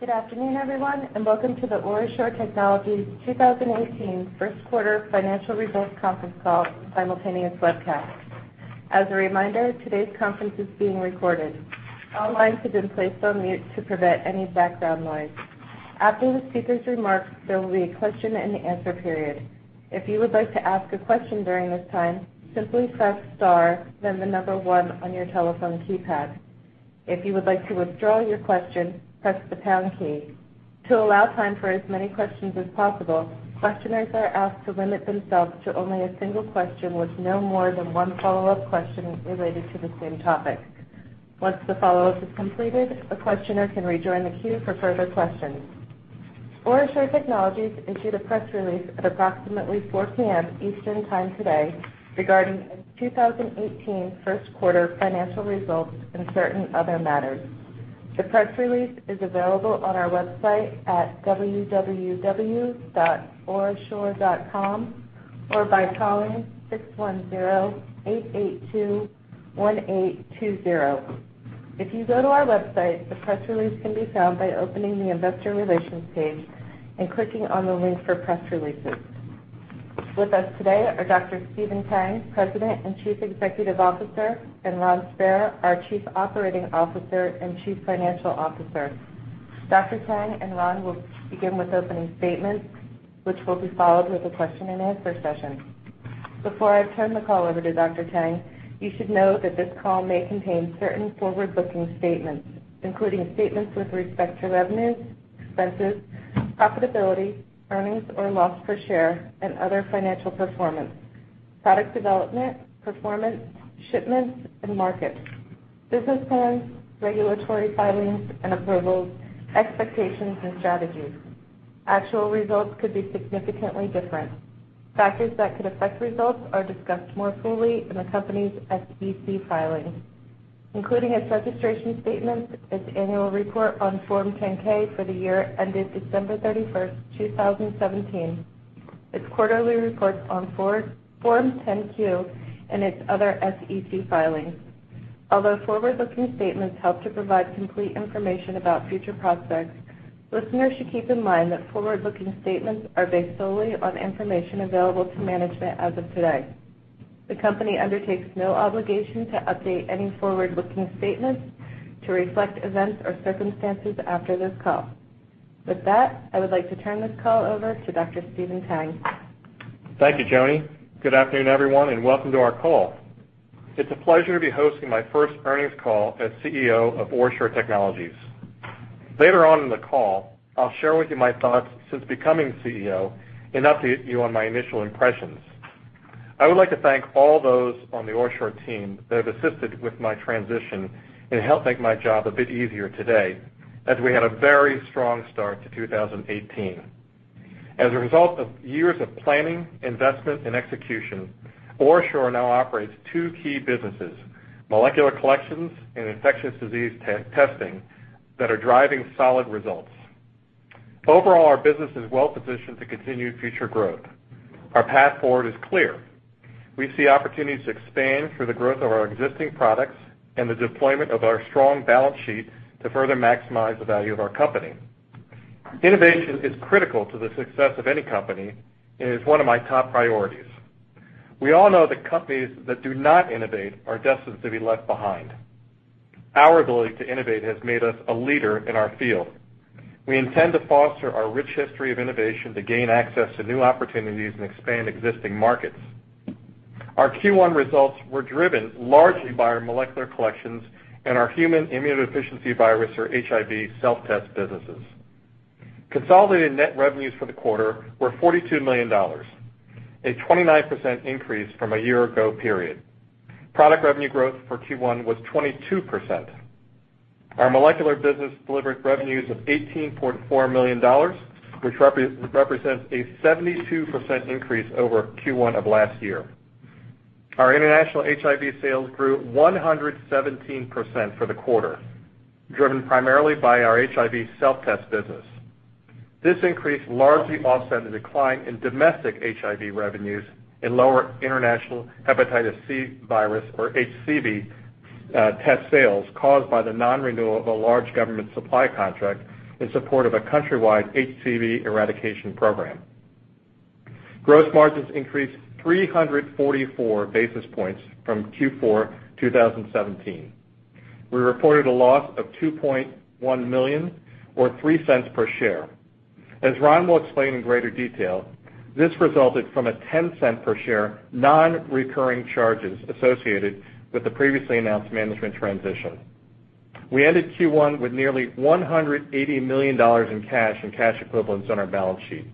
Good afternoon, everyone, and welcome to the OraSure Technologies 2018 first quarter financial results conference call simultaneous webcast. As a reminder, today's conference is being recorded. All lines have been placed on mute to prevent any background noise. After the speaker's remarks, there will be a question and answer period. If you would like to ask a question during this time, simply press star, then the number one on your telephone keypad. If you would like to withdraw your question, press the pound key. To allow time for as many questions as possible, questioners are asked to limit themselves to only a single question with no more than one follow-up question related to the same topic. Once the follow-up is completed, a questioner can rejoin the queue for further questions. OraSure Technologies issued a press release at approximately 4:00 P.M. Eastern Time today regarding its 2018 first quarter financial results and certain other matters. The press release is available on our website at www.orasure.com or by calling 610-882-1820. If you go to our website, the press release can be found by opening the investor relations page and clicking on the link for press releases. With us today are Dr. Stephen Tang, President and Chief Executive Officer, and Ron Spair, our Chief Operating Officer and Chief Financial Officer. Dr. Tang and Ron will begin with opening statements, which will be followed with a question and answer session. Before I turn the call over to Dr. Tang, you should know that this call may contain certain forward-looking statements, including statements with respect to revenues, expenses, profitability, earnings or loss per share, and other financial performance, product development, performance, shipments, and markets, business plans, regulatory filings and approvals, expectations, and strategies. Actual results could be significantly different. Factors that could affect results are discussed more fully in the company's SEC filings, including its registration statements, its annual report on Form 10-K for the year ended December 31st, 2017, its quarterly reports on Form 10-Q and its other SEC filings. Forward-looking statements help to provide complete information about future prospects, listeners should keep in mind that forward-looking statements are based solely on information available to management as of today. The company undertakes no obligation to update any forward-looking statements to reflect events or circumstances after this call. With that, I would like to turn this call over to Dr. Stephen Tang. Thank you, Joni. Good afternoon, everyone, and welcome to our call. It's a pleasure to be hosting my first earnings call as CEO of OraSure Technologies. Later on in the call, I'll share with you my thoughts since becoming CEO and update you on my initial impressions. I would like to thank all those on the OraSure team that have assisted with my transition and helped make my job a bit easier today as we had a very strong start to 2018. As a result of years of planning, investment, and execution, OraSure now operates two key businesses, molecular collections and infectious disease testing, that are driving solid results. Overall, our business is well-positioned to continued future growth. Our path forward is clear. We see opportunities to expand through the growth of our existing products and the deployment of our strong balance sheet to further maximize the value of our company. Innovation is critical to the success of any company and is one of my top priorities. We all know that companies that do not innovate are destined to be left behind. Our ability to innovate has made us a leader in our field. We intend to foster our rich history of innovation to gain access to new opportunities and expand existing markets. Our Q1 results were driven largely by our molecular collections and our human immunodeficiency virus, or HIV, self-test businesses. Consolidated net revenues for the quarter were $42 million, a 29% increase from a year-ago period. Product revenue growth for Q1 was 22%. Our molecular business delivered revenues of $18.4 million, which represents a 72% increase over Q1 of last year. Our international HIV sales grew 117% for the quarter, driven primarily by our HIV self-test business. This increase largely offset the decline in domestic HIV revenues and lower international hepatitis C virus or HCV test sales caused by the non-renewal of a large government supply contract in support of a countrywide HCV eradication program. Gross margins increased 344 basis points from Q4 2017. We reported a loss of $2.1 million or $0.03 per share. As Ron will explain in greater detail, this resulted from a $0.10 per share non-recurring charges associated with the previously announced management transition. We ended Q1 with nearly $180 million in cash and cash equivalents on our balance sheet.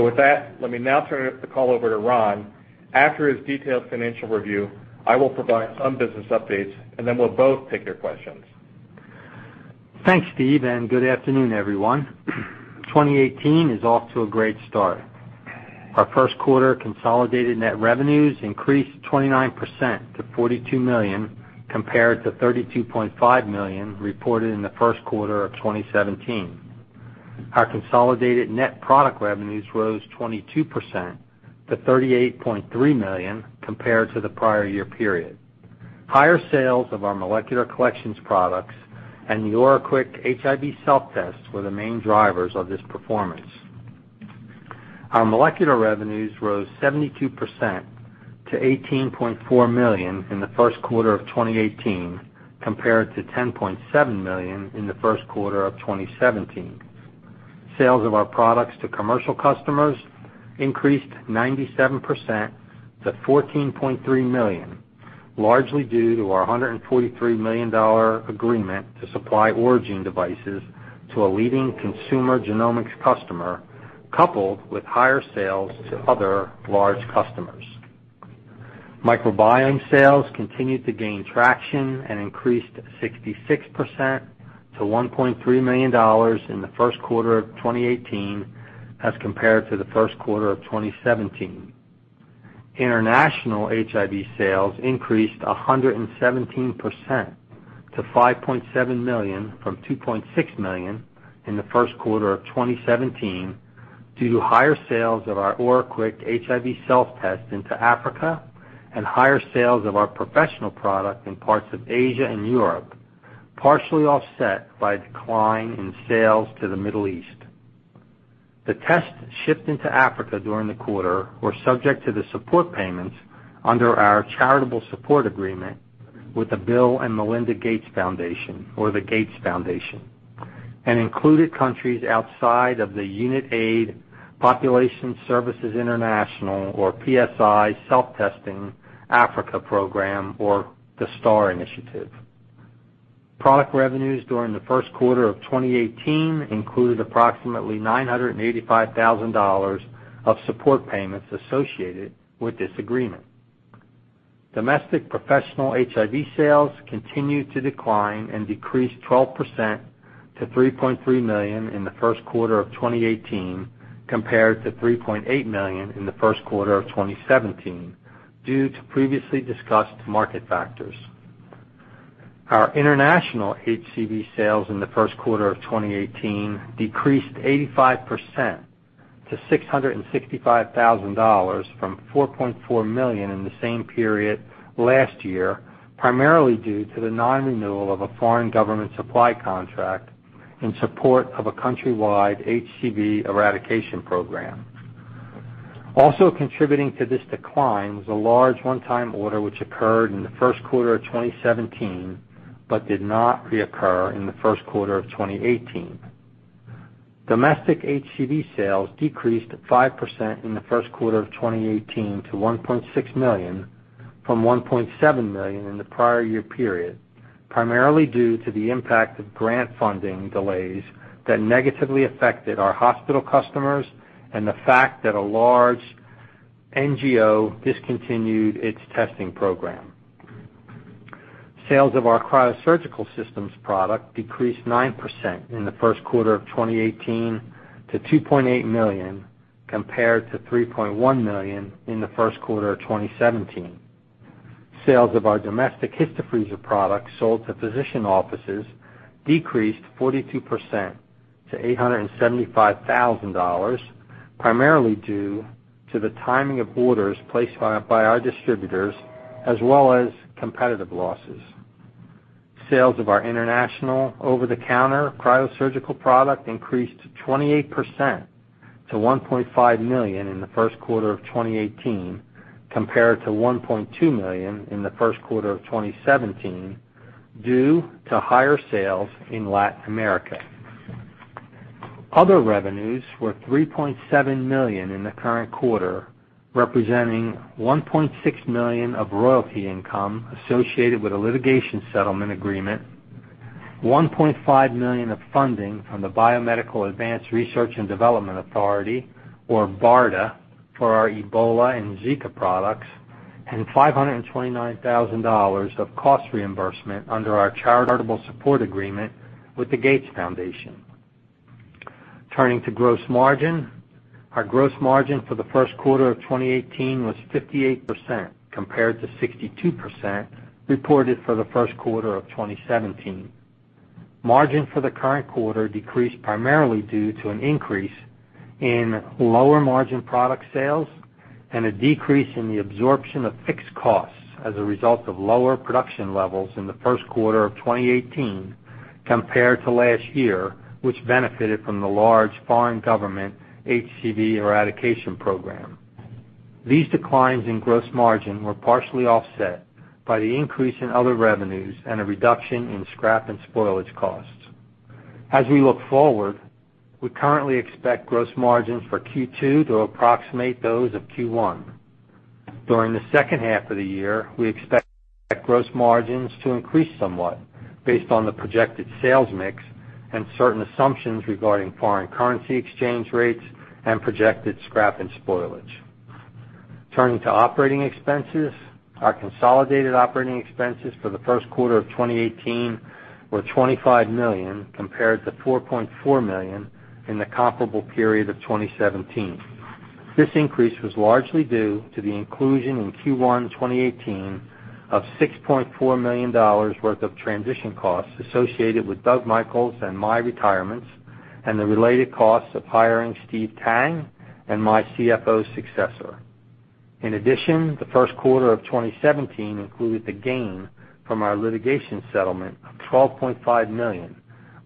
With that, let me now turn the call over to Ron. After his detailed financial review, I will provide some business updates, then we'll both take your questions. Thanks, Steve. Good afternoon, everyone. 2018 is off to a great start. Our first quarter consolidated net revenues increased 29% to $42 million compared to $32.5 million reported in the first quarter of 2017. Our consolidated net product revenues rose 22% to $38.3 million compared to the prior year period. Higher sales of our molecular collections products and the OraQuick HIV self-test were the main drivers of this performance. Our molecular revenues rose 72% to $18.4 million in the first quarter of 2018, compared to $10.7 million in the first quarter of 2017. Sales of our products to commercial customers increased 97% to $14.3 million, largely due to our $143 million agreement to supply Oragene devices to a leading consumer genomics customer, coupled with higher sales to other large customers. Microbiome sales continued to gain traction and increased 66% to $1.3 million in the first quarter of 2018 as compared to the first quarter of 2017. International HIV sales increased 117% to $5.7 million from $2.6 million in the first quarter of 2017 due to higher sales of our OraQuick HIV self-test into Africa and higher sales of our professional product in parts of Asia and Europe, partially offset by a decline in sales to the Middle East. The tests shipped into Africa during the quarter were subject to the support payments under our charitable support agreement with the Bill & Melinda Gates Foundation, or the Gates Foundation, and included countries outside of the Unitaid, Population Services International, or PSI, self-testing Africa program, or the STAR Initiative. Product revenues during the first quarter of 2018 included approximately $985,000 of support payments associated with this agreement. Domestic professional HIV sales continued to decline and decreased 12% to $3.3 million in the first quarter of 2018 compared to $3.8 million in the first quarter of 2017 due to previously discussed market factors. Our international HCV sales in the first quarter of 2018 decreased 85% to $665,000 from $4.4 million in the same period last year, primarily due to the non-renewal of a foreign government supply contract in support of a country-wide HCV eradication program. Also contributing to this decline was a large one-time order which occurred in the first quarter of 2017 but did not reoccur in the first quarter of 2018. Domestic HCV sales decreased 5% in the first quarter of 2018 to $1.6 million from $1.7 million in the prior year period, primarily due to the impact of grant funding delays that negatively affected our hospital customers and the fact that a large NGO discontinued its testing program. Sales of our cryosurgical systems product decreased 9% in the first quarter of 2018 to $2.8 million compared to $3.1 million in the first quarter of 2017. Sales of our domestic Histofreezer products sold to physician offices decreased 42% to $875,000, primarily due to the timing of orders placed by our distributors as well as competitive losses. Sales of our international over-the-counter cryosurgical product increased 28% to $1.5 million in the first quarter of 2018 compared to $1.2 million in the first quarter of 2017 due to higher sales in Latin America. Other revenues were $3.7 million in the current quarter, representing $1.6 million of royalty income associated with a litigation settlement agreement, $1.5 million of funding from the Biomedical Advanced Research and Development Authority, or BARDA, for our Ebola and Zika products, and $529,000 of cost reimbursement under our charitable support agreement with the Gates Foundation. Turning to gross margin, our gross margin for the first quarter of 2018 was 58% compared to 62% reported for the first quarter of 2017. Margin for the current quarter decreased primarily due to an increase in lower margin product sales and a decrease in the absorption of fixed costs as a result of lower production levels in the first quarter of 2018 compared to last year, which benefited from the large foreign government HCV eradication program. These declines in gross margin were partially offset by the increase in other revenues and a reduction in scrap and spoilage costs. As we look forward, we currently expect gross margins for Q2 to approximate those of Q1. During the second half of the year, we expect gross margins to increase somewhat based on the projected sales mix and certain assumptions regarding foreign currency exchange rates and projected scrap and spoilage. Turning to operating expenses, our consolidated operating expenses for the first quarter of 2018 were $25 million compared to $4.4 million in the comparable period of 2017. This increase was largely due to the inclusion in Q1 2018 of $6.4 million worth of transition costs associated with Douglas Michels and my retirements and the related costs of hiring Steve Tang and my CFO successor. In addition, the first quarter of 2017 included the gain from our litigation settlement of $12.5 million,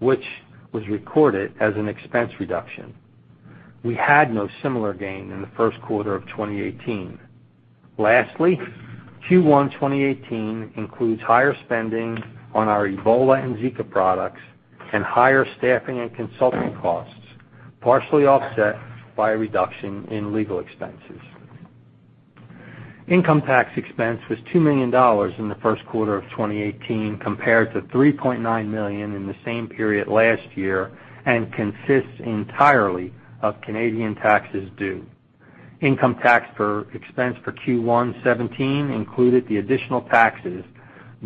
which was recorded as an expense reduction. We had no similar gain in the first quarter of 2018. Lastly, Q1 2018 includes higher spending on our Ebola and Zika products and higher staffing and consulting costs, partially offset by a reduction in legal expenses. Income tax expense was $2 million in the first quarter of 2018, compared to $3.9 million in the same period last year, and consists entirely of Canadian taxes due. Income tax expense for Q1 2017 included the additional taxes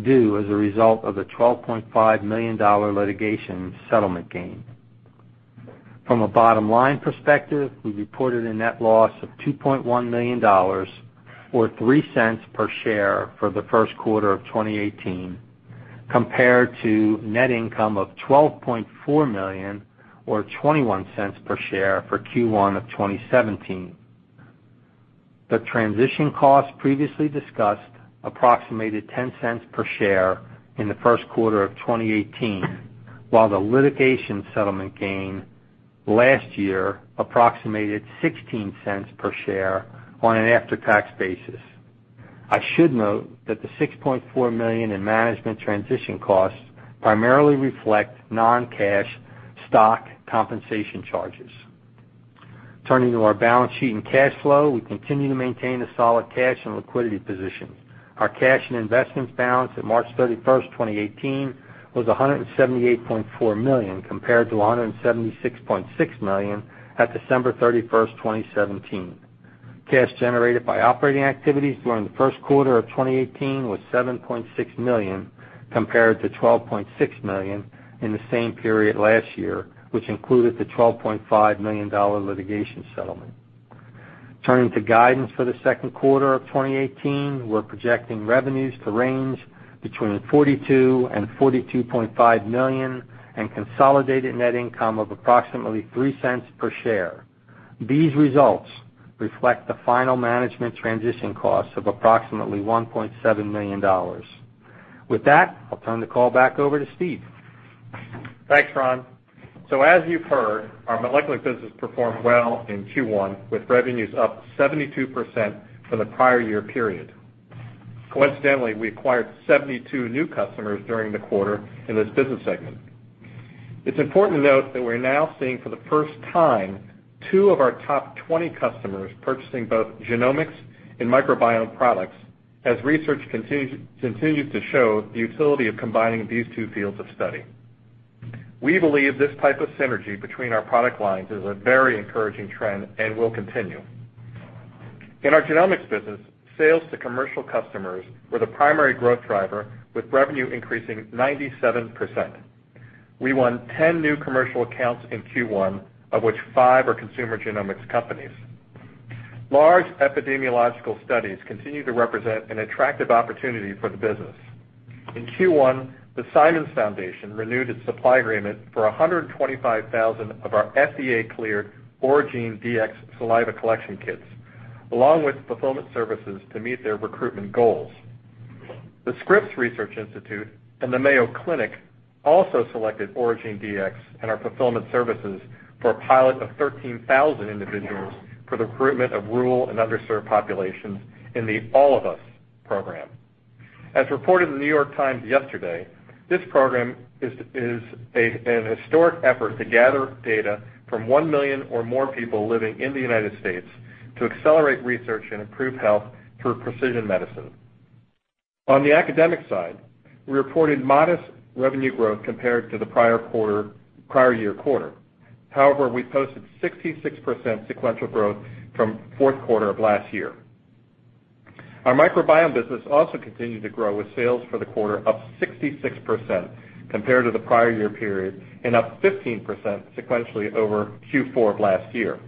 due as a result of the $12.5 million litigation settlement gain. From a bottom-line perspective, we reported a net loss of $2.1 million, or $0.03 per share for the first quarter of 2018, compared to net income of $12.4 million or $0.21 per share for Q1 of 2017. The transition costs previously discussed approximated $0.10 per share in the first quarter of 2018, while the litigation settlement gain last year approximated $0.16 per share on an after-tax basis. I should note that the $6.4 million in management transition costs primarily reflect non-cash stock compensation charges. Turning to our balance sheet and cash flow, we continue to maintain a solid cash and liquidity position. Our cash and investments balance at March 31, 2018, was $178.4 million, compared to $176.6 million at December 31, 2017. Cash generated by operating activities during the first quarter of 2018 was $7.6 million, compared to $12.6 million in the same period last year, which included the $12.5 million litigation settlement. Turning to guidance for the second quarter of 2018, we're projecting revenues to range between $42 million and $42.5 million, and consolidated net income of approximately $0.03 per share. These results reflect the final management transition costs of approximately $1.7 million. With that, I'll turn the call back over to Steve. Thanks, Ron. As you've heard, our molecular business performed well in Q1, with revenues up 72% from the prior year period. Coincidentally, we acquired 72 new customers during the quarter in this business segment. It's important to note that we're now seeing for the first time, two of our top 20 customers purchasing both genomics and microbiome products, as research continues to show the utility of combining these two fields of study. We believe this type of synergy between our product lines is a very encouraging trend and will continue. In our genomics business, sales to commercial customers were the primary growth driver, with revenue increasing 97%. We won 10 new commercial accounts in Q1, of which five are consumer genomics companies. Large epidemiological studies continue to represent an attractive opportunity for the business. In Q1, the Simons Foundation renewed its supply agreement for 125,000 of our FDA-cleared Oragene•Dx saliva collection kits, along with fulfillment services to meet their recruitment goals. The Scripps Research Institute and the Mayo Clinic also selected Oragene•Dx and our fulfillment services for a pilot of 13,000 individuals for the recruitment of rural and underserved populations in the All of Us program. As reported in The New York Times yesterday, this program is an historic effort to gather data from 1 million or more people living in the U.S. to accelerate research and improve health through precision medicine. On the academic side, we reported modest revenue growth compared to the prior year quarter. However, we posted 66% sequential growth from fourth quarter of last year. Our microbiome business also continued to grow, with sales for the quarter up 66% compared to the prior year period and up 15% sequentially over Q4 of last year.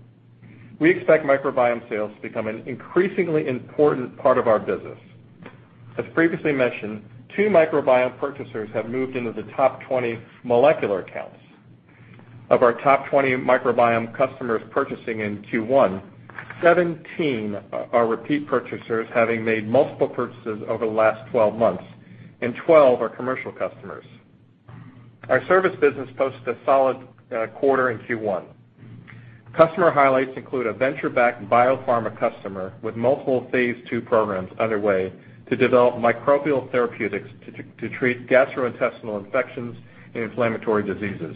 As previously mentioned, two microbiome purchasers have moved into the top 20 molecular accounts. Of our top 20 microbiome customers purchasing in Q1, 17 are repeat purchasers, having made multiple purchases over the last 12 months, and 12 are commercial customers. Our service business posted a solid quarter in Q1. Customer highlights include a venture-backed biopharma customer with multiple phase II programs underway to develop microbial therapeutics to treat gastrointestinal infections and inflammatory diseases.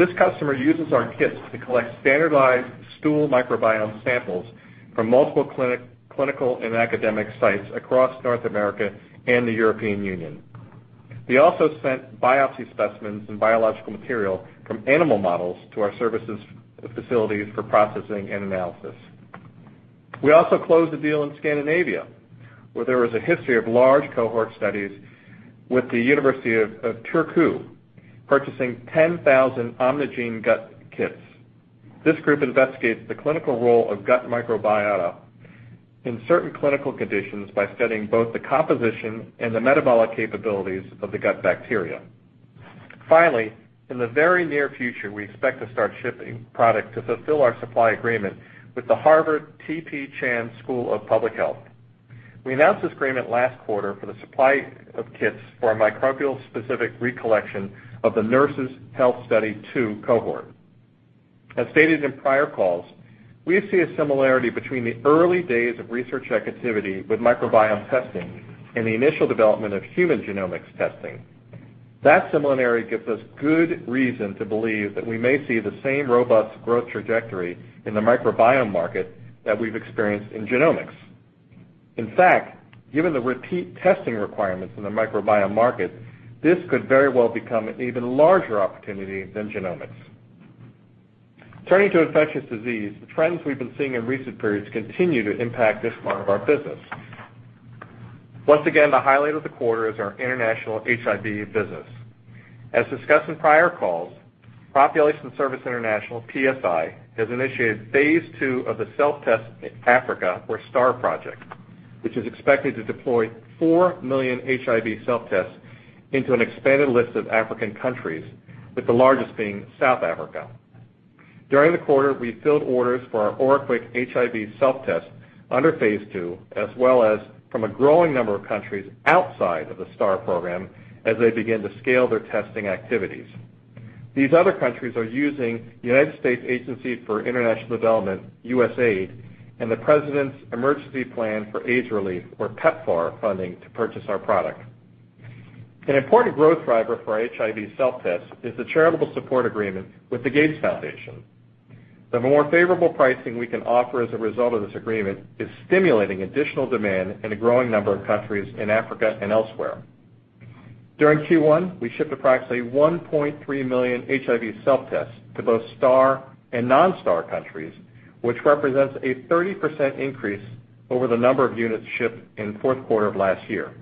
This customer uses our kits to collect standardized stool microbiome samples from multiple clinical and academic sites across North America and the European Union. They also sent biopsy specimens and biological material from animal models to our services facilities for processing and analysis. We also closed a deal in Scandinavia, where there was a history of large cohort studies with the University of Turku purchasing 10,000 OMNIgene.GUT kits. This group investigates the clinical role of gut microbiota in certain clinical conditions by studying both the composition and the metabolic capabilities of the gut bacteria. Finally, in the very near future, we expect to start shipping product to fulfill our supply agreement with the Harvard T.H. Chan School of Public Health. We announced this agreement last quarter for the supply of kits for a microbial-specific recollection of the Nurses' Health Study II cohort. As stated in prior calls, we see a similarity between the early days of research activity with microbiome testing and the initial development of human genomics testing. That similarity gives us good reason to believe that we may see the same robust growth trajectory in the microbiome market that we've experienced in genomics. In fact, given the repeat testing requirements in the microbiome market, this could very well become an even larger opportunity than genomics. Turning to infectious disease, the trends we've been seeing in recent periods continue to impact this part of our business. Once again, the highlight of the quarter is our international HIV business. As discussed in prior calls, Population Services International, PSI, has initiated phase II of the Self Test Africa, or STAR project, which is expected to deploy 4 million HIV self-tests into an expanded list of African countries, with the largest being South Africa. During the quarter, we filled orders for our OraQuick HIV self-test under phase II, as well as from a growing number of countries outside of the STAR program as they begin to scale their testing activities. These other countries are using United States Agency for International Development, USAID, and the President's Emergency Plan for AIDS Relief, or PEPFAR, funding to purchase our product. An important growth driver for our HIV self-test is the charitable support agreement with the Gates Foundation. The more favorable pricing we can offer as a result of this agreement is stimulating additional demand in a growing number of countries in Africa and elsewhere. During Q1, we shipped approximately 1.3 million HIV self-tests to both STAR and non-STAR countries, which represents a 30% increase over the number of units shipped in the fourth quarter of last year.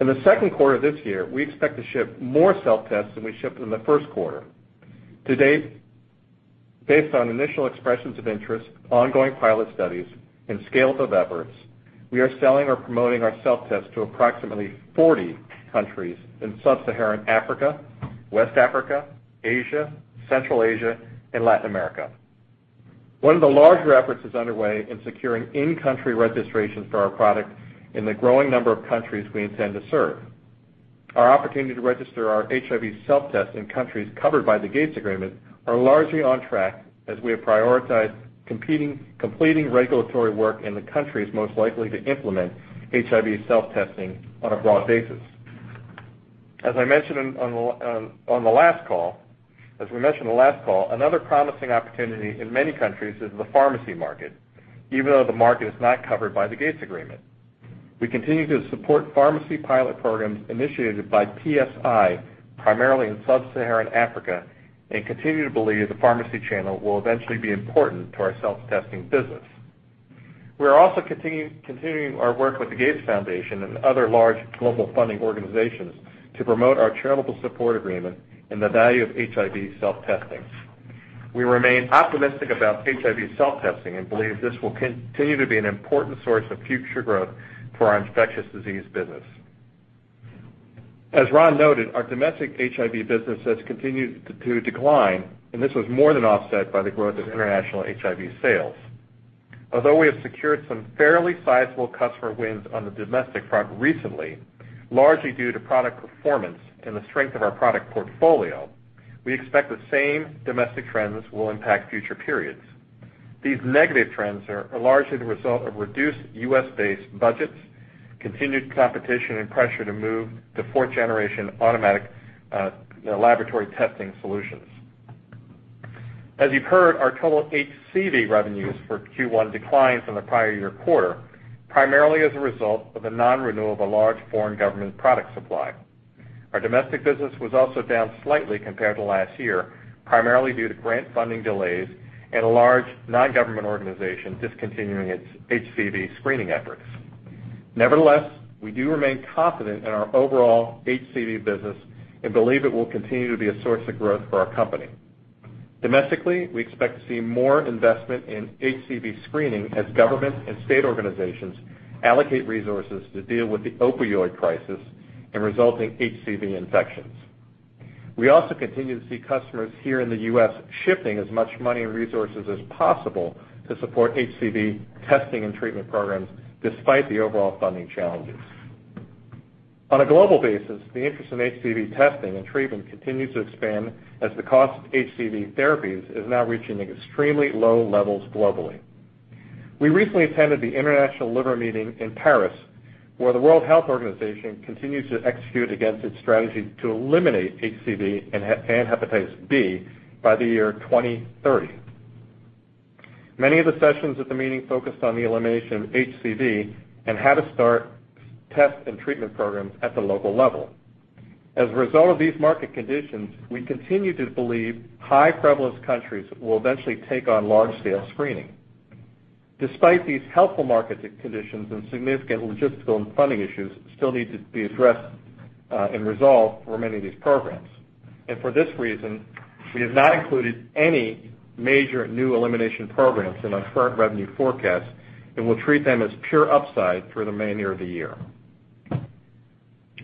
In the second quarter of this year, we expect to ship more self-tests than we shipped in the first quarter. To date, based on initial expressions of interest, ongoing pilot studies, and scales of efforts, we are selling or promoting our self-tests to approximately 40 countries in sub-Saharan Africa, West Africa, Asia, Central Asia, and Latin America. One of the larger efforts is underway in securing in-country registrations for our product in the growing number of countries we intend to serve. Our opportunity to register our HIV self-test in countries covered by the Gates agreement are largely on track, as we have prioritized completing regulatory work in the countries most likely to implement HIV self-testing on a broad basis. As we mentioned on the last call, another promising opportunity in many countries is the pharmacy market, even though the market is not covered by the Gates agreement. We continue to support pharmacy pilot programs initiated by PSI, primarily in sub-Saharan Africa, and continue to believe the pharmacy channel will eventually be important to our self-testing business. We are also continuing our work with the Gates Foundation and other large global funding organizations to promote our charitable support agreement and the value of HIV self-testing. We remain optimistic about HIV self-testing and believe this will continue to be an important source of future growth for our infectious disease business. As Ron noted, our domestic HIV business has continued to decline, and this was more than offset by the growth of international HIV sales. Although we have secured some fairly sizable customer wins on the domestic front recently, largely due to product performance and the strength of our product portfolio, we expect the same domestic trends will impact future periods. These negative trends are largely the result of reduced U.S.-based budgets, continued competition, and pressure to move to fourth-generation automatic laboratory testing solutions. As you've heard, our total HCV revenues for Q1 declines in the prior year quarter, primarily as a result of the non-renewal of a large foreign government product supply. Our domestic business was also down slightly compared to last year, primarily due to grant funding delays and a large non-government organization discontinuing its HCV screening efforts. Nevertheless, we do remain confident in our overall HCV business and believe it will continue to be a source of growth for our company. Domestically, we expect to see more investment in HCV screening as government and state organizations allocate resources to deal with the opioid crisis and resulting HCV infections. We also continue to see customers here in the U.S. shifting as much money and resources as possible to support HCV testing and treatment programs, despite the overall funding challenges. On a global basis, the interest in HCV testing and treatment continues to expand as the cost of HCV therapies is now reaching extremely low levels globally. We recently attended The International Liver Congress in Paris, where the World Health Organization continues to execute against its strategy to eliminate HCV and hepatitis B by the year 2030. Many of the sessions at the meeting focused on the elimination of HCV and how to start test and treatment programs at the local level. As a result of these market conditions, we continue to believe high-prevalence countries will eventually take on large-scale screening. Despite these helpful market conditions and significant logistical and funding issues still need to be addressed and resolve for many of these programs. For this reason, we have not included any major new elimination programs in our current revenue forecast and will treat them as pure upside through the main year of the year.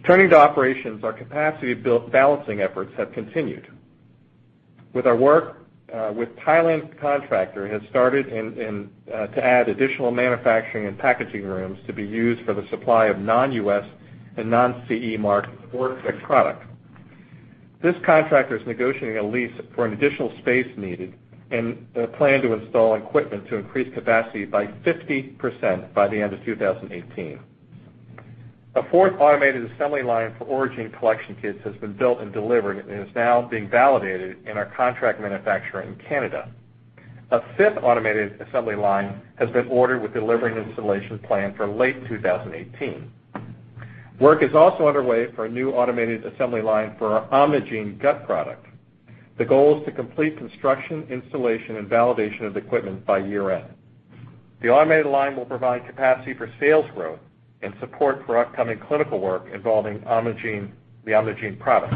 Turning to operations, our capacity balancing efforts have continued. With our work, with Thailand's contractor has started to add additional manufacturing and packaging rooms to be used for the supply of non-U.S. and non-CE mark OraQuick products. This contractor is negotiating a lease for an additional space needed and a plan to install equipment to increase capacity by 50% by the end of 2018. A fourth automated assembly line for Oragene collection kits has been built and delivered and is now being validated in our contract manufacturer in Canada. A fifth automated assembly line has been ordered with delivery and installation planned for late 2018. Work is also underway for a new automated assembly line for our OMNIgene.GUT product. The goal is to complete construction, installation, and validation of the equipment by year-end. The automated line will provide capacity for sales growth and support for upcoming clinical work involving the OMNIgene product.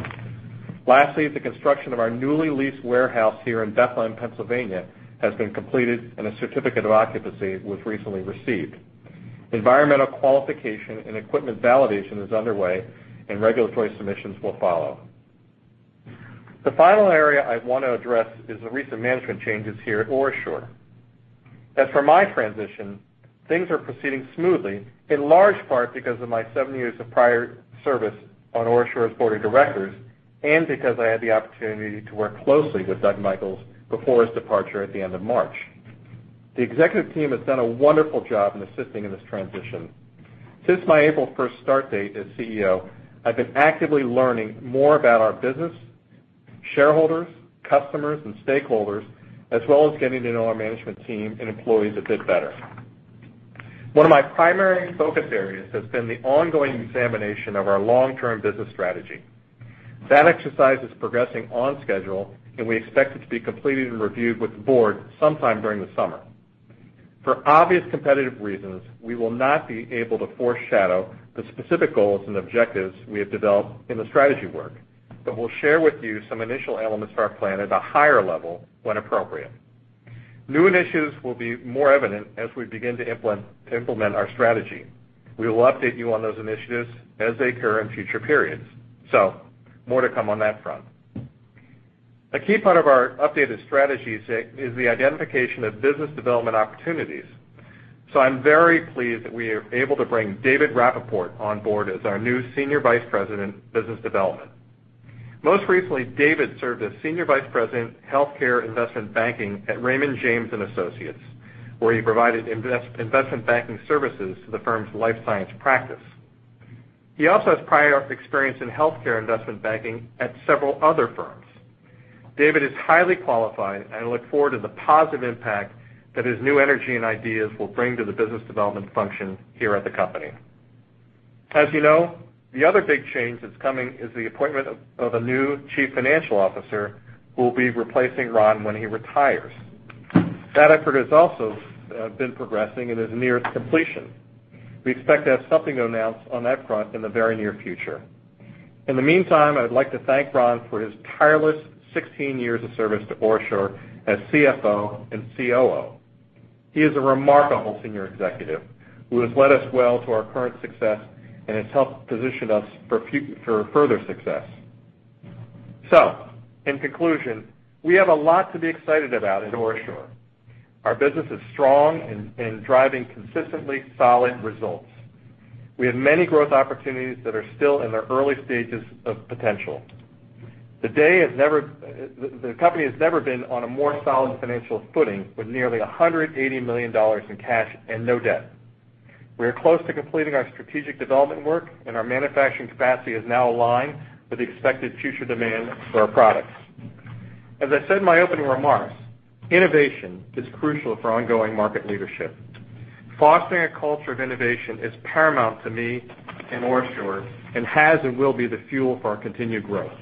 Lastly, the construction of our newly leased warehouse here in Bethlehem, Pennsylvania, has been completed and a certificate of occupancy was recently received. Environmental qualification and equipment validation is underway and regulatory submissions will follow. The final area I want to address is the recent management changes here at OraSure. As for my transition, things are proceeding smoothly, in large part because of my seven years of prior service on OraSure's board of directors and because I had the opportunity to work closely with Douglas Michels before his departure at the end of March. The executive team has done a wonderful job in assisting in this transition. Since my April 1st start date as CEO, I've been actively learning more about our business, shareholders, customers, and stakeholders, as well as getting to know our management team and employees a bit better. One of my primary focus areas has been the ongoing examination of our long-term business strategy. That exercise is progressing on schedule, and we expect it to be completed and reviewed with the board sometime during the summer. For obvious competitive reasons, we will not be able to foreshadow the specific goals and objectives we have developed in the strategy work, but we'll share with you some initial elements of our plan at a higher level when appropriate. New initiatives will be more evident as we begin to implement our strategy. We will update you on those initiatives as they occur in future periods. More to come on that front. A key part of our updated strategy is the identification of business development opportunities. I'm very pleased that we are able to bring David Rappaport on board as our new Senior Vice President, Business Development. Most recently, David served as Senior Vice President, Healthcare Investment Banking at Raymond James & Associates, where he provided investment banking services to the firm's life science practice. He also has prior experience in healthcare investment banking at several other firms. David is highly qualified, and I look forward to the positive impact that his new energy and ideas will bring to the business development function here at the company. As you know, the other big change that's coming is the appointment of a new Chief Financial Officer who will be replacing Ron when he retires. That effort has also been progressing and is near completion. We expect to have something to announce on that front in the very near future. In the meantime, I would like to thank Ron for his tireless 16 years of service to OraSure as CFO and COO. He is a remarkable senior executive who has led us well to our current success and has helped position us for further success. In conclusion, we have a lot to be excited about at OraSure. Our business is strong and driving consistently solid results. We have many growth opportunities that are still in their early stages of potential. The company has never been on a more solid financial footing with nearly $180 million in cash and no debt. We are close to completing our strategic development work, and our manufacturing capacity is now aligned with the expected future demand for our products. As I said in my opening remarks, innovation is crucial for ongoing market leadership. Fostering a culture of innovation is paramount to me and OraSure and has and will be the fuel for our continued growth.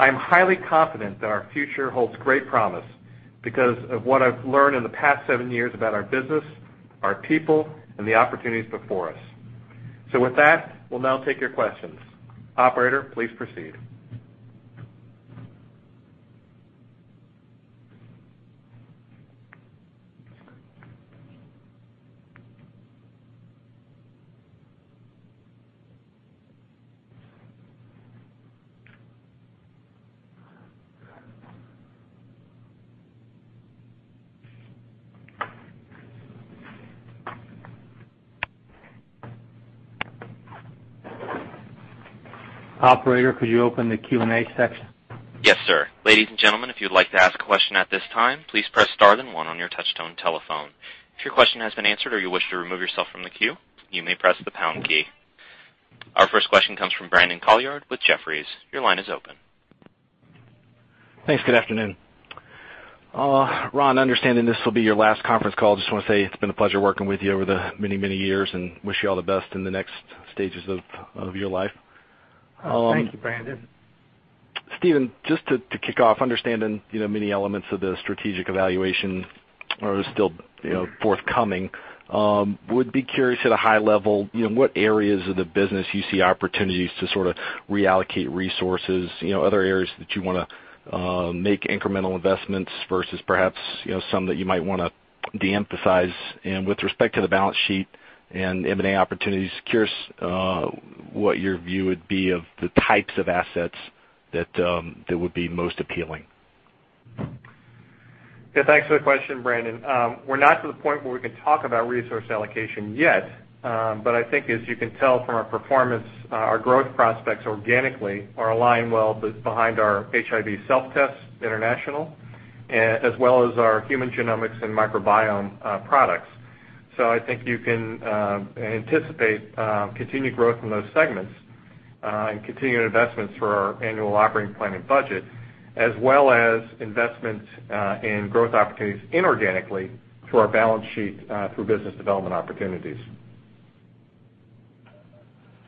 I am highly confident that our future holds great promise because of what I've learned in the past seven years about our business, our people, and the opportunities before us. With that, we'll now take your questions. Operator, please proceed. Operator, could you open the Q&A section? Yes, sir. Ladies and gentlemen, if you'd like to ask a question at this time, please press star then one on your touch-tone telephone. If your question has been answered or you wish to remove yourself from the queue, you may press the pound key. Our first question comes from Brandon Couillard with Jefferies. Your line is open. Thanks. Good afternoon. Ron, understanding this will be your last conference call, I just want to say it's been a pleasure working with you over the many years and wish you all the best in the next stages of your life. Thank you, Brandon. Stephen, just to kick off, understanding many elements of the strategic evaluation are still forthcoming, would be curious at a high level, what areas of the business you see opportunities to reallocate resources, other areas that you want to make incremental investments versus perhaps, some that you might want to de-emphasize. With respect to the balance sheet and M&A opportunities, curious what your view would be of the types of assets that would be most appealing. Yeah. Thanks for the question, Brandon. We're not to the point where we can talk about resource allocation yet. I think as you can tell from our performance, our growth prospects organically are aligned well be behind our HIV self-test international, as well as our human genomics and microbiome products. I think you can anticipate continued growth in those segments, and continued investments for our annual operating plan and budget, as well as investments in growth opportunities inorganically through our balance sheet, through business development opportunities.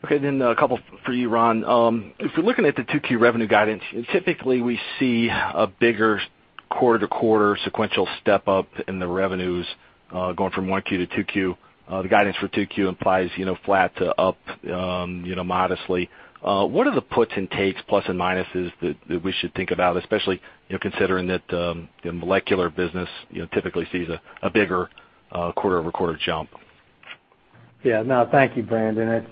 Okay, a couple for you, Ron. If we're looking at the 2Q revenue guidance, typically we see a bigger quarter-to-quarter sequential step up in the revenues, going from 1Q to 2Q. The guidance for 2Q implies flat to up modestly. What are the puts and takes, plus and minuses that we should think about, especially considering that the molecular business typically sees a bigger quarter-over-quarter jump? Yeah. No, thank you, Brandon.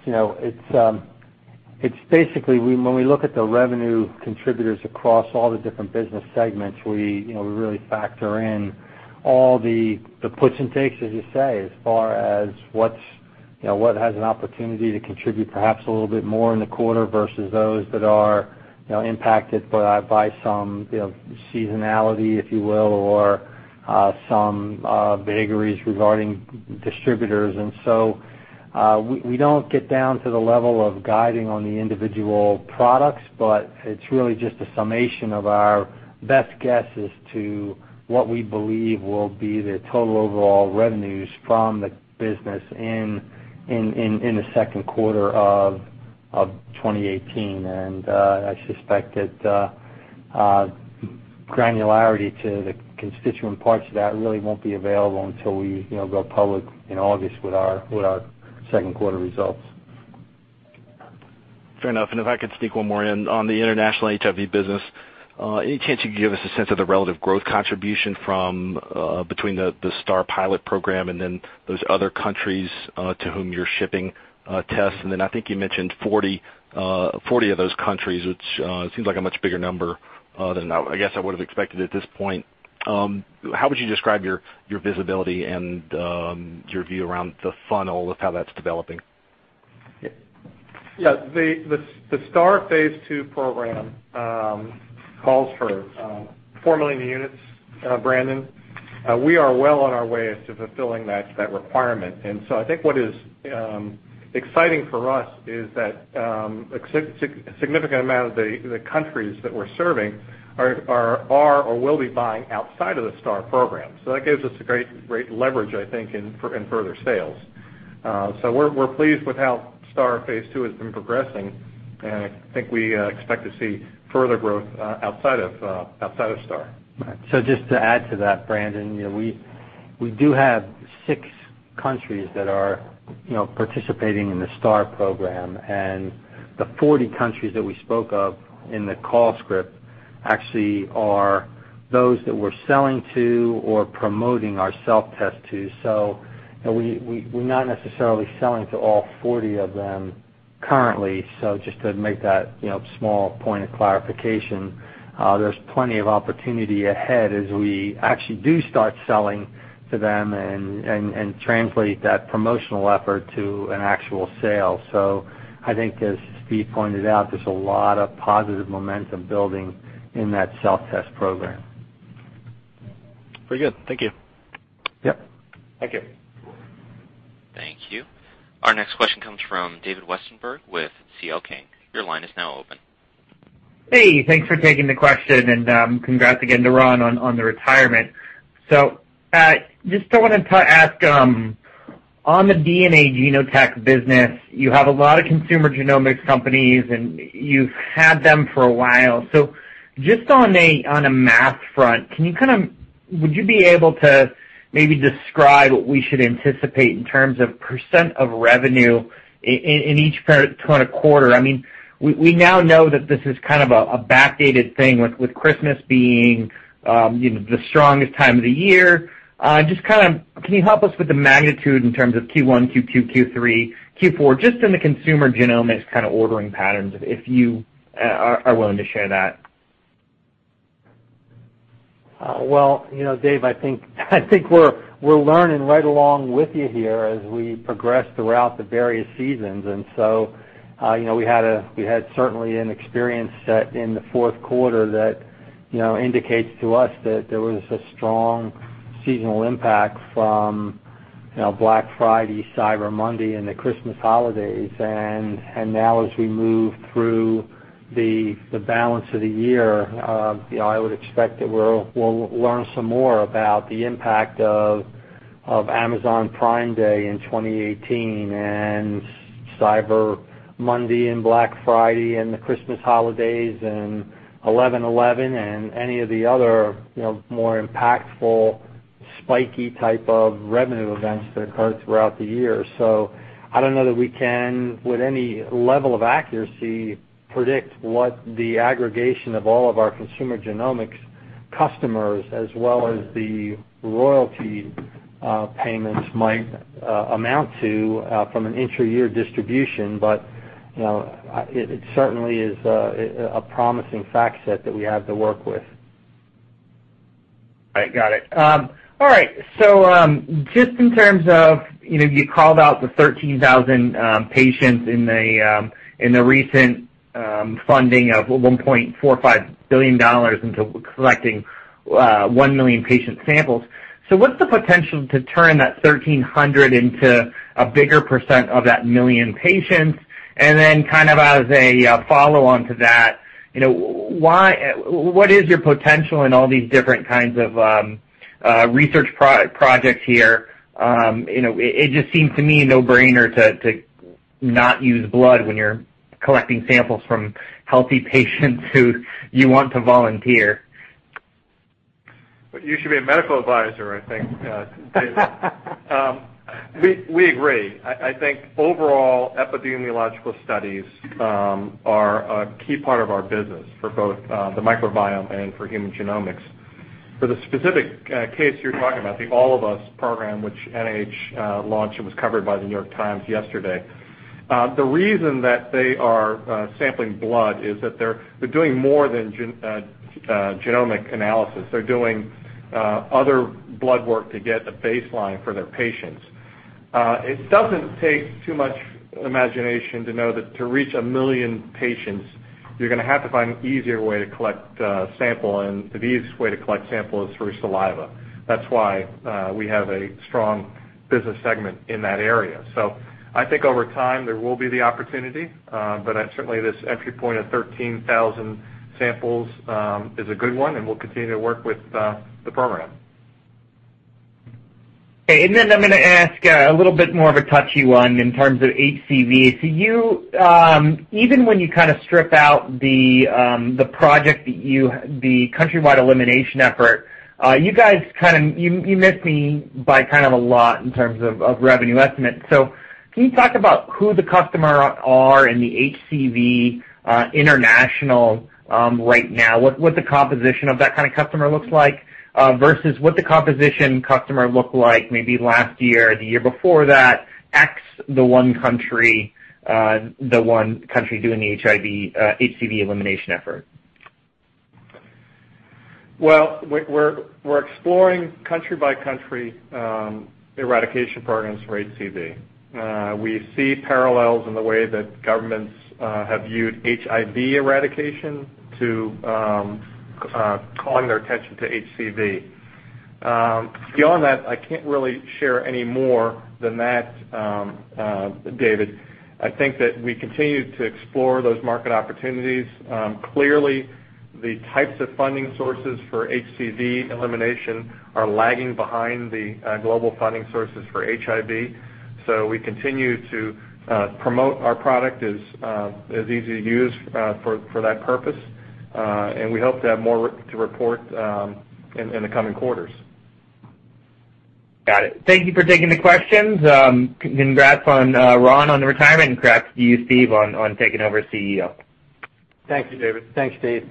It's basically, when we look at the revenue contributors across all the different business segments, we really factor in all the puts and takes, as you say, as far as what has an opportunity to contribute perhaps a little bit more in the quarter versus those that are impacted by some seasonality, if you will, or some vagaries regarding distributors. We don't get down to the level of guiding on the individual products, but it's really just a summation of our best guesses to what we believe will be the total overall revenues from the business in the second quarter of 2018. I suspect that granularity to the constituent parts of that really won't be available until we go public in August with our second quarter results. Fair enough. If I could sneak one more in on the international HIV business, any chance you could give us a sense of the relative growth contribution between the STAR pilot program and then those other countries, to whom you're shipping tests? I think you mentioned 40 of those countries, which seems like a much bigger number than I guess I would've expected at this point. How would you describe your visibility and your view around the funnel of how that's developing? Yeah. The STAR phase II program calls for 4 million units, Brandon. We are well on our way as to fulfilling that requirement. I think what is exciting for us is that a significant amount of the countries that we're serving are or will be buying outside of the STAR program. That gives us a great leverage, I think, in further sales. We're pleased with how STAR phase II has been progressing, and I think we expect to see further growth outside of STAR. Just to add to that, Brandon, we do have six countries that are participating in the STAR program. The 40 countries that we spoke of in the call script actually are those that we're selling to or promoting our self-test to. We're not necessarily selling to all 40 of them currently. Just to make that small point of clarification. There's plenty of opportunity ahead as we actually do start selling to them and translate that promotional effort to an actual sale. I think as Steve pointed out, there's a lot of positive momentum building in that self-test program. Very good. Thank you. Yep. Thank you. Thank you. Our next question comes from David Westenberg with C.L. King. Your line is now open. Hey, thanks for taking the question, and congrats again to Ron on the retirement. Just wanted to ask, on the DNA Genotek business, you have a lot of consumer genomics companies and you've had them for a while. Just on a math front, would you be able to maybe describe what we should anticipate in terms of % of revenue in each current quarter? We now know that this is a backdated thing with Christmas being the strongest time of the year. Can you help us with the magnitude in terms of Q1, Q2, Q3, Q4, just in the consumer genomics ordering patterns, if you are willing to share that? Dave, I think we're learning right along with you here as we progress throughout the various seasons. We had certainly an experience set in the fourth quarter that indicates to us that there was a strong seasonal impact from Black Friday, Cyber Monday, and the Christmas holidays. Now as we move through the balance of the year, I would expect that we'll learn some more about the impact of Amazon Prime Day in 2018 and Cyber Monday and Black Friday and the Christmas holidays and 11/11 and any of the other more impactful spiky type of revenue events that occur throughout the year. I don't know that we can, with any level of accuracy, predict what the aggregation of all of our consumer genomics customers as well as the royalty payments might amount to from an intra-year distribution. It certainly is a promising fact set that we have to work with. All right, got it. All right. Just in terms of, you called out the 13,000 patients in the recent funding of $1.45 billion into collecting 1 million patient samples. What's the potential to turn that 1,300 into a bigger percent of that 1 million patients? As a follow-on to that, what is your potential in all these different kinds of research projects here? It just seems to me a no-brainer to not use blood when you're collecting samples from healthy patients who you want to volunteer. You should be a medical advisor, I think, David. We agree. I think overall epidemiological studies are a key part of our business for both the microbiome and for human genomics. For the specific case you're talking about, the All of Us program, which NIH launched, it was covered by The New York Times yesterday. The reason that they are sampling blood is that they're doing more than genomic analysis. They're doing other blood work to get a baseline for their patients. It doesn't take too much imagination to know that to reach 1 million patients, you're going to have to find an easier way to collect a sample, and the easiest way to collect sample is through saliva. That's why we have a strong business segment in that area. I think over time there will be the opportunity. Certainly this entry point of 13,000 samples is a good one, and we'll continue to work with the program. I'm going to ask a little bit more of a touchy one in terms of HCV. Even when you strip out the project that the countrywide elimination effort, you guys miss me by a lot in terms of revenue estimates. Can you talk about who the customer are in the HCV international right now? What the composition of that kind of customer looks like versus what the composition customer looked like maybe last year or the year before that, X the one country doing the HCV elimination effort? We're exploring country by country eradication programs for HCV. We see parallels in the way that governments have viewed HIV eradication to calling their attention to HCV. Beyond that, I can't really share any more than that, David. I think that we continue to explore those market opportunities. Clearly, the types of funding sources for HCV elimination are lagging behind the global funding sources for HIV. We continue to promote our product as easy to use for that purpose. We hope to have more to report in the coming quarters. Got it. Thank you for taking the questions. Congrats on Ron on the retirement, congrats to you, Steve, on taking over as CEO. Thank you, David. Thanks, Steve.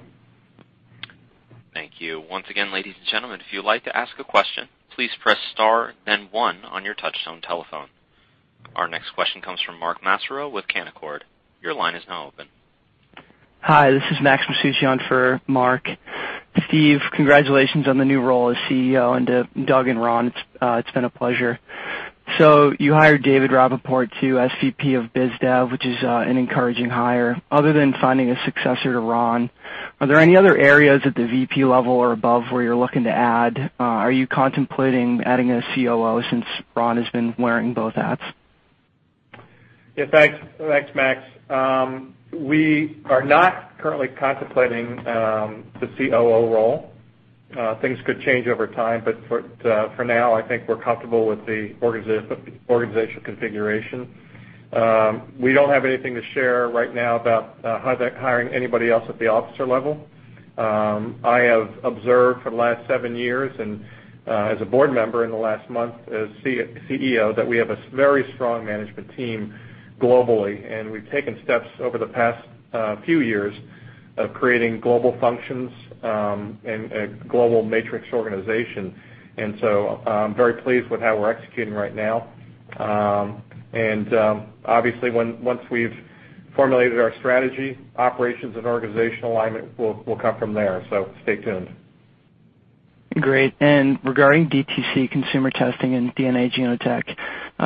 Thank you. Once again, ladies and gentlemen, if you would like to ask a question, please press star then one on your touchtone telephone. Our next question comes from Mark Massaro with Canaccord. Your line is now open. Hi, this is Max Masucci on for Mark. Steve, congratulations on the new role as CEO, and to Doug and Ron, it's been a pleasure. You hired David Rappaport to SVP of BizDev, which is an encouraging hire. Other than finding a successor to Ron, are there any other areas at the VP level or above where you're looking to add? Are you contemplating adding a COO since Ron has been wearing both hats? Yeah, thanks, Max. We are not currently contemplating the COO role. Things could change over time, but for now, I think we're comfortable with the organization configuration. We don't have anything to share right now about hiring anybody else at the officer level. I have observed for the last seven years, and as a board member in the last month as CEO, that we have a very strong management team globally, and we've taken steps over the past few years of creating global functions and a global matrix organization. I'm very pleased with how we're executing right now. Obviously once we've formulated our strategy, operations and organizational alignment will come from there. Stay tuned. Great. Regarding DTC consumer testing and DNA Genotek,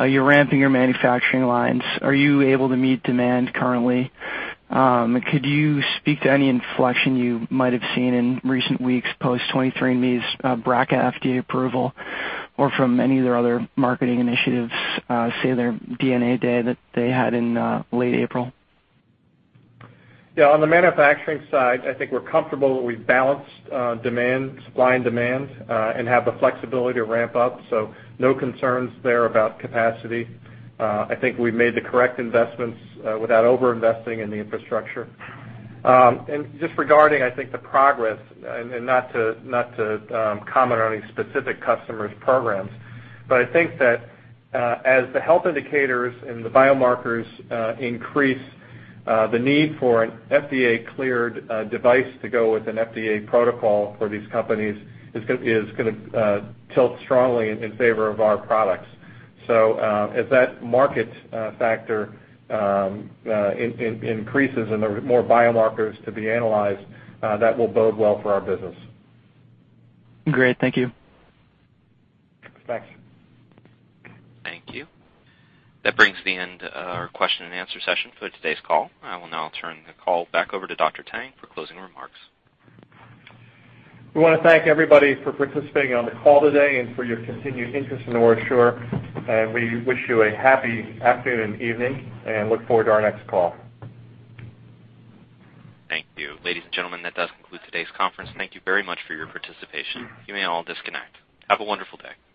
you're ramping your manufacturing lines. Are you able to meet demand currently? Could you speak to any inflection you might have seen in recent weeks post 23andMe's BRCA FDA approval or from any of their other marketing initiatives, say, their DNA Day that they had in late April? Yeah, on the manufacturing side, I think we're comfortable that we've balanced supply and demand, and have the flexibility to ramp up. No concerns there about capacity. I think we've made the correct investments without over-investing in the infrastructure. Just regarding, I think the progress, not to comment on any specific customer's programs, but I think that as the health indicators and the biomarkers increase the need for an FDA-cleared device to go with an FDA protocol for these companies, is going to tilt strongly in favor of our products. As that market factor increases and there are more biomarkers to be analyzed, that will bode well for our business. Great. Thank you. Thanks. Thank you. That brings the end to our question and answer session for today's call. I will now turn the call back over to Dr. Tang for closing remarks. We want to thank everybody for participating on the call today and for your continued interest in OraSure. We wish you a happy afternoon and evening and look forward to our next call. Thank you. Ladies and gentlemen, that does conclude today's conference. Thank you very much for your participation. You may all disconnect. Have a wonderful day.